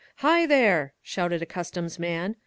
"Hi, there!" shouted a customs man.